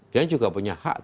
dia juga punya hak